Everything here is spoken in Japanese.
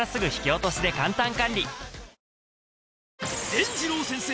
でんじろう先生